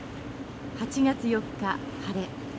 「８月４日晴れ。